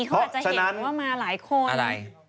เขาอาจจะเห็นว่ามาหลายคน